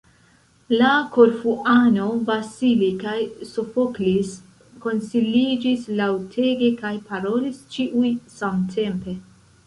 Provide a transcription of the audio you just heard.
La Korfuano, Vasili kaj Sofoklis konsiliĝis laŭtege kaj parolis ĉiuj samtempe.